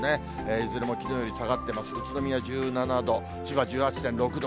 いずれもきのうより下がってます、宇都宮１７度、千葉１８．６度。